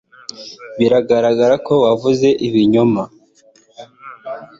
Biragaragara ko wavuze ibinyoma.